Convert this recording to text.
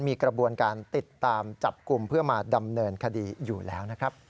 มีกระบวนการติดตามจับกลุ่มเพื่อมาดำเนินคดีอยู่แล้วนะครับ